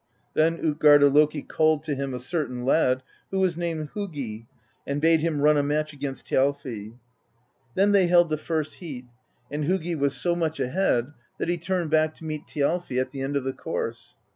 Then tJtgarda Loki called to him a certain lad, who was named Hugi, and bade him run a match against Thjalfi. Then they held the first heat; and Hugi was so much THE BEGUILING OF GYLFI 63 ahead that he turned back to meet Thjalfi at the end of the course.